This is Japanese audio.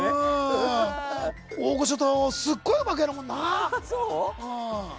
大御所とすっごいうまくやるもんな。